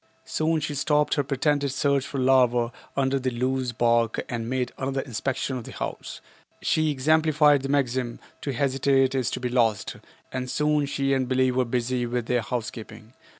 Soon she stopped her pretended search for larvae under the loose bark and made another inspection of the house. She exemplified the maxim, "To hesitate is to be lost," and soon she and Billie were busy with their housekeeping.